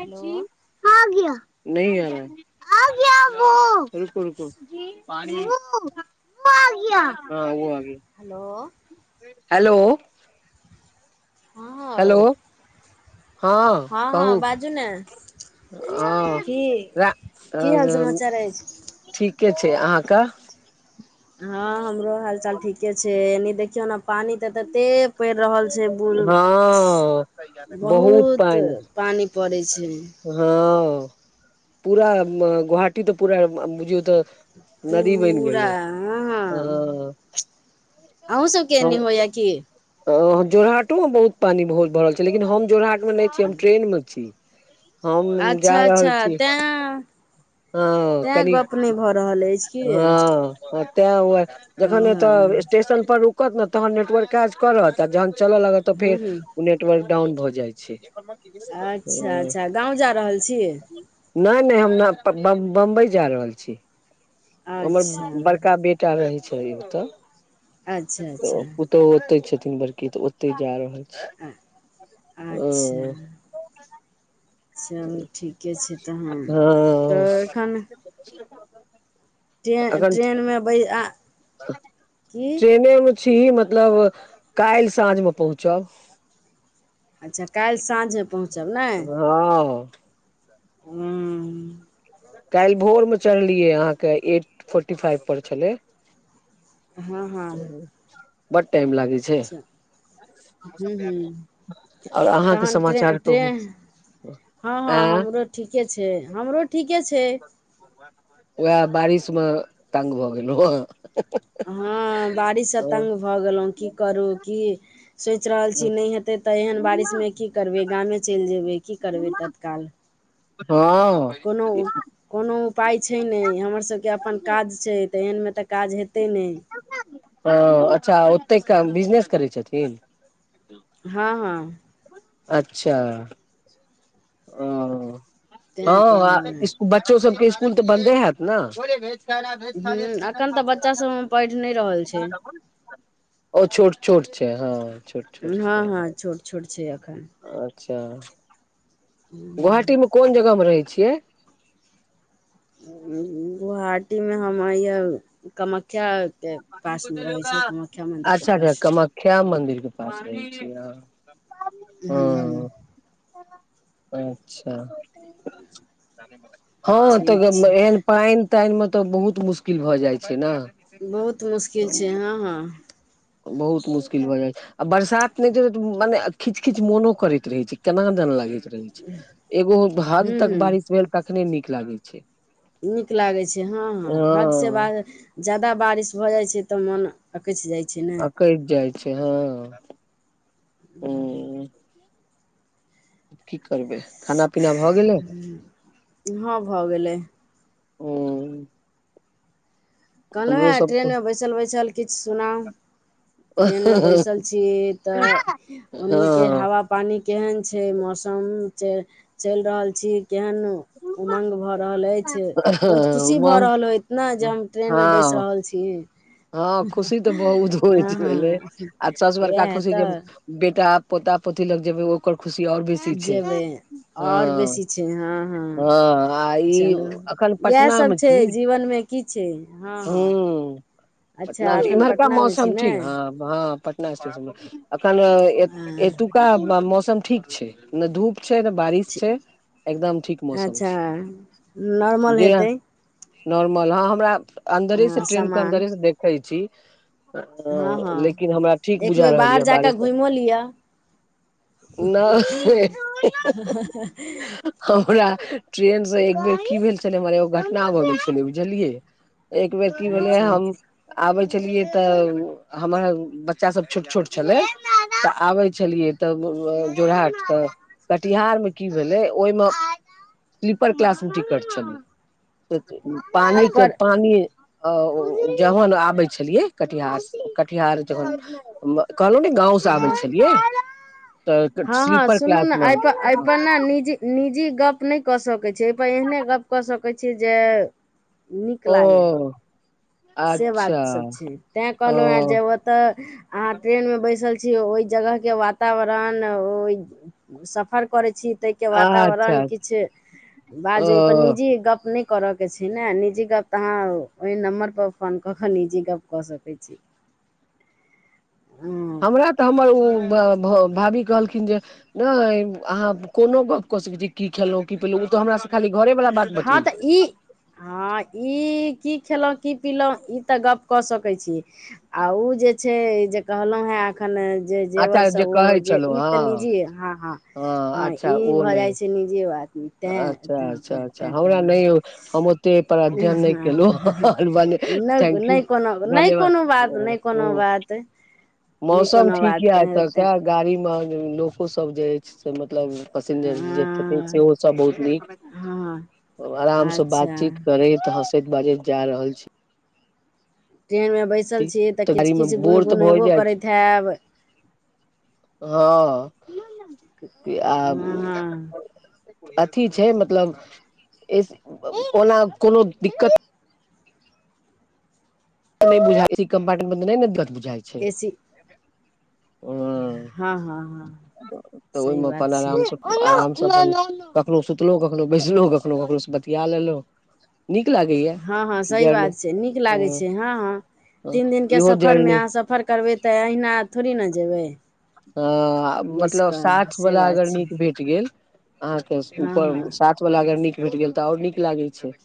hello [unintelligible] [unintelligible] hello hello hello हँ हाँ हँ हँ कहू बाजू ने हाँ की रा की हाल समाचार अछि - ठीके छै अहाँ के हाँ हमरो हाल चाल ठीके छै एनि देखियौ ने पानि तऽ तेत कते पड़ि रहल छै बून्द हँ बहुत पानि पड़ै छै हाँ पुरा गुहाटी तऽ पूरा बुझीयौ तऽ नदी बनि पुरा गेलै अ हँ हाँ अहुं सबके एनी होया की जोर हाटो मे बहुत पानि बहुत भरल छै लेकिन हम जोरहट मे नहि छी हम ट्रेन में छी हम जा अच्छा रहल अच्छा छी तैं तैं गप नहि भऽ रहल अछि की हँ हाँ तें हए जखन ए हँ तऽ स्टेशन पर रुक रुकत न तहन नेटवर्क काज करत आ जहन चलऽ लागत तऽ हूँ फेर हूँ नेट नेटवर्क डाउन भऽ जाइ छै अच्छा अच्छा गाँव जा रहल छी नै नै हम बम बम्बई जा रहल छी हमर अच्छा बड़का बेटा रहै छै ओतऽ अच्छा अच्छा तो ओते छथिन बड़की तऽ ओते जा रहल छी अच्छा चलू ठीके छै तहन हाँ तऽ एखन ट्रेन ऐखन ट्रेनमे बै आ की ट्रेनें में छी मतलब काल्हि साँझ मे पहुँचब अच्छा काल्हि साँझे पहुचब नै हाँ हूँम- काल्हि भोर में चढ़लियै अहाँ के एट फोर्टी फाइव पर छलै हँ बड़ टाइम लागे अच्छा हुँ हुँम आओर अहाँके तहन ट्रेन समाचार ट्रे कहू हाँ हाँ आँ हमरो ठीके छै हमरो ठीके छै उएह बारिश मे तंग भऽ गेलहु ए हह हाँ बारिश सँ तंग भऽ गेलहुँ की करू की सोचि रहल छी नहि हेतै तऽ एहन बारिश में की करबै गामे चलि जेबै की करबै तत्काल हाँ कोनो कोनो उपाय छै नहि हमरसभके अपन काज छै तऽ एहनमे तऽ काज हेतै नहि हँ अच्छा ओतेक क बिजनेस करै छथिन हँ हाँ अच्छा ओ तें हँ कहलहुँ इ बच्चो सभके इसकुल तऽ बन्दे हैत ने हुँ एखन तऽ बच्चासभ हमर पढ़ि नहि रहल छै ओ छोट छोट छै हँ छोट छोट हँ छै हाँ छोट छोट छै एखन अच्छा गुहाटीमे कोन जगह मे रहै छियै गुहाटीमे हम या कामख्या के पासमे रहै छिय कामाख्या मन्दिरके पास ख्या मन्दिर के पास रहै छिय हूँ हूँ हँ अच्छा हँ ठीक तऽ छै एहन पानि तानि में तऽ बहुत मुश्किल भए जाइ छै ने बहुत मुश्किल छै हँ हँ बहुत मुश्किल भए जाइ छै आ बरसात ने जे मने खिच खिच मनो करैत रहे छै केना दन लगे छै रहै छै एगो हद हूँ तक हूँ बारिश भेल तखने नीक लागै छै नीक लागै छै हँ हँ हद से बा जादा बारिश भऽ जाइ छै तऽ मोन अकछि जाइ छै न अकैछ जाइ छै हँ हुँ की करबै खाना पीना भऽ गेलै हँ भऽ गेलै ह कहलहुँ हमरो हँ सब ट्रेन मे बैसल बैसल किछ सुनाउ ट्रेन हँ मे बैसल छी तऽ ओनी केर हँ हवा पानि केहन छै मौसम चलि रहल छी केहन उमंग भऽ रहल अछि बहुत खुशी भऽ हँ रहल होइत ना जे हम ट्रेन मे हँ बैस रहल छी हँ खुशी तऽ बहुत होइ हँ छै भेलै हँ आ सबसँ बरका उएह खुशी जे तऽ बेटा पोता पोती लग जेबै ओकर खुशी आओर बेसी छै जेबै आओर बेसी छै हँ हँ आ ई चलू अखन इएह पटना सब मे छै छी जीवनमे की छै हँ हँ हूँ पटना अच्छा मे एखन इमहरका पटनामे छी मौसम ने ठीक हँ हँ पटना स्टेसन अखन ए हँ एतुका मौसम ठीक छै न धूप छै न बारिश ठीक छै एकदम ठीक मौसम अच्छा छै नॉर्मल जे हेतै नॉर्मल हँ हमरा अन्दरेसँ हँ ट्रेन के सामान अन्दरेसँ देखै छी हँ हँ लेकिन हमरा ठीक एक बुझा बेर रहल बाहर यऽ जा बारिश कऽ घुमियो लिअ नाइ [unintelligible] हमरा ट्रेन से एक बेर की भेल छलै हमर एगो घटना भऽ गेल छलै बुझलियै एक बेर की भेलै अच्छा हम आबै छलियै तऽ हमर बच्चा सभ छोट छोट छलै तऽ आबै छलियै तऽ जोरहट तऽ कटिहार मऽ की भेलै ओहिमे स्लीपर क्लास मे टिकट छलै पानि तेय एहिपर पानि ओ जहन आबै छलियै कटिहार से कटिहार जखन कहलहु नइ गाँव से आबै हँ छलियै तऽ हँ हँ स्लीपर सुनू क्लास मे एहि पर एहि पर ना निजी निजी गप नइ कऽ सकैत छ एहिपर एहने गप कऽ सकैत छियै जे नीक ओ लागे से बात अच्छा सब छै तैय कहलहु हँ जे ओ तऽ अहाँ ट्रेन मे बैसल छी ओहि जगह के वातावरण ओहि सफर करै छी ताहिके अच्छा वातावरण अच्छा किछ बाजू ओहिपर ओ निजी गप नइ करअ के छै न निजी गप त अहाँ ओहि नम्बर पर फोन कऽ कऽ निजी गप कऽ सकै छी हँ हमरा तऽ हमर ओ भा भऽ भाभी कहलखिन जे नइ अहाँ कोनो गप क सकै छी की खेलोअ की पिलै उ तऽ हमरा सँ खाली घरे वाला बात हँ तऽ बतेलखिन ई हँ ई की खेलहुँ की पिलहुँ ई तऽ गप कऽ सकै छी आ उऽ जे छै जे कहलहुँ हेँ एखन जे जेवर अच्छा जे सब ओ कहै जे छलहुँ ई तऽ हँ निजी ये हँ हँ हँ अच्छा ई ओ भऽ नहि जाइ छै निजी बातमे अच्छा अच्छा अच्छा अ हमरा नइ हम ओतेक पर अध्ययन नहि केलहुँ [unintelligible] भने नहि थैंक्यू नहि कोनो नहि कोनो बात नहि कोनो बात नहि मौसम कोनो बात ठीक य तेँ तेँ एतुका गाड़ी महक लोको सब जे अछि से मतलब पसिंजर जे छथिन हँ सेहो बहुत नीक हँ आराम सँ अच्छा बातचीत करैत हँसैत बाजैत जैय रहल छी ट्रेनमे बैसल छिये तऽ किछ गाड़ी मे किछ गुन बोर तऽ भए गुनेबो जाइ छै करैत हैब हँ आब हँ हँ अथी छै मतलब ओना कोनो दिक्कत नहि बुझाय ई कम्पार्टमेंट मे नहि ने बुझाय छै ए सी ह हँ हँ हँ तऽ सही ओहिमे बात अपन छै आरामसँ आरामसे अपन कखनो सुतलहु कखनो बैसलहुँ कखनो कखहु से बतिया लेलहुँ नीक लागैया हँ हँ सही बात छै नीक लागे छै हँ हँ हँ तीन दिन के इहो सफर जर्नी मे सफर करबै तऽ अहिना थोड़े ने जेबै अ बैसि मतलब कऽ साठ से वला बात अगर छै नीक भेट गेल अहाँके हँ ऊपर हँ साात वला अगर नीक भेट गेल तऽ आओर नीक लागै छै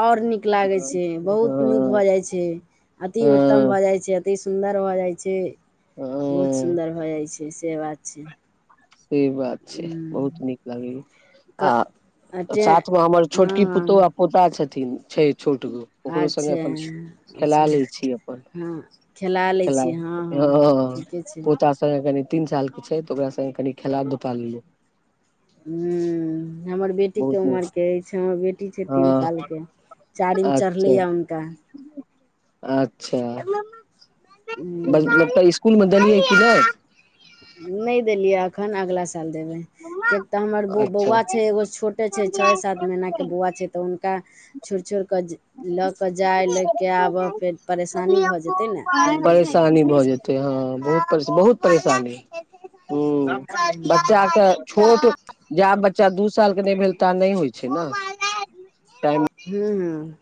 आओर नीक लागैत छै बहुत नीक हँ भऽ जाइत छै अति उत्तम हँ भऽ जाइ छै एतेक सुन्दर भऽ जाइ छै बहुत हँ सुन्दर भऽ जाइ छै से बात छै से बात छै हँ बहुत नीक लगैया क आ अटे साथमे हमर छोटकी पुतोहु हँ पोटा छथिन छै छोट गो अच्छा अच्छा छी अपन हँ खेला लै छियै हँ हँ ठीक के छै से कनि तीन साल के छै तऽ ओकरा सङे कनि खेला धुपा लेलौं हँ हमर बेटीके नीक उमरके अछि हमर बेटी छै तीन हँ सालके चारिम चढ़लैय अच्छा हुनका अच्छा हूँ मतलब इस्कुल मे देलियै कि नहि नहि देलियै अखन अगिला साल देबै कियक तऽ हमर अच्छा बौआ छै एगो छोटे छै छओ सात महीना के बौआ छै तऽ हुनका छोड़ि छोड़ि कऽ लऽ कऽ जाय लऽ कऽ आबह फेर परेशानी भऽ जेतै ने तैँ नहि देली परेशानी एखन भऽ जेतै हँ बहुत बहुत परेशानी ह बच्चा के छोट जा बच्चा दू साल के नहि भेल ता नहि होइ छै ने टाइम हुँ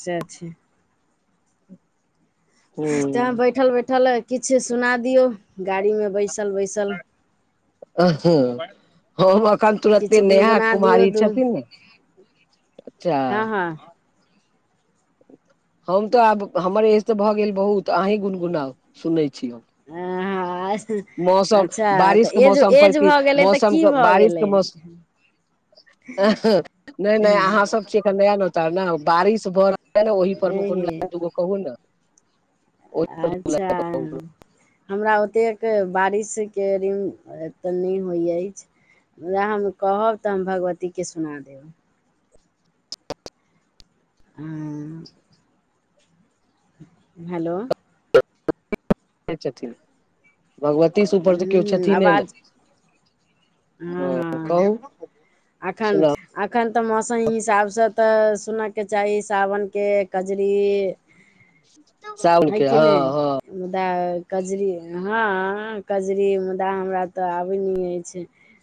सैह छै तऽ हूँ बैठल बैठल किछु सुना दियौ गाड़ी मे बैसल बैसल हम एखन तुरते किछु नेहा गुनगुना दियौ कुमारी दू छथिन ने अच्छा हँ हँ हम तऽ आब हमर एज तऽ भऽ गेल बहुत अहीं गुनगुनाउ सुनने छी हम आ अस - मौसम बारिशके मौसम पर की भऽ गेलै तऽ की मौसमके भऽ बारिशके गेलै मौसम नहि नहि अहाँ सब न नया नौतार ने बारिश भऽ रहलै ने ओहि पर मे दूगो लाइन कहू ने ओहि पर दू अच्छा लाइन कहू हमरा ओतेक बारिश के एते नहि होइ अछि उह हम कहब तऽ हम भगवतीके सुना देब हँ हूँ हेलो छथिन भगवतीसँ ऊपर तऽ केओ छथिन ने आवाज ह कहु एखन एखन तऽ मौसम हिसाबसँ तऽ सुनऽके चाही सावनके कजरी ते साउन के हँ हँ मुदा कजरी हँ कजरी मुदा हमरा तऽ आबैत नहि अछि